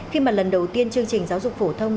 khi mà lần đầu tiên chương trình giáo dục phổ thông